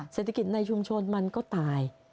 เศรษฐกิจในชุมชนมันก็ตาย